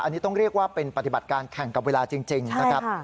อันนี้ต้องเรียกว่าเป็นปฏิบัติการแข่งกับเวลาจริงนะครับ